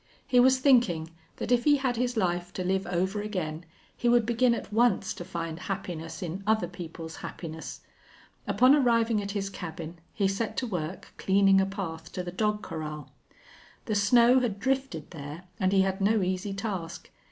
He was thinking that if he had his life to live over again he would begin at once to find happiness in other people's happiness. Upon arriving at his cabin he set to work cleaning a path to the dog corral. The snow had drifted there and he had no easy task.